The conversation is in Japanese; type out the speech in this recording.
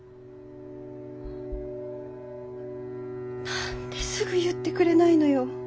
何ですぐ言ってくれないのよ。